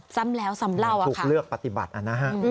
ซ้ำแล้วซ้ำเล่าอะค่ะถูกเลือกปฏิบัติอ่ะนะฮะอืม